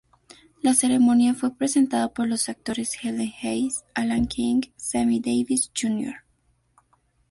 La ceremonia fue presentada por los actores Helen Hayes, Alan King, Sammy Davis, Jr.